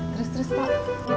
terus terus pak